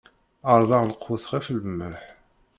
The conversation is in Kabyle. Ɛerḍeɣ lqut ɣef lmelḥ.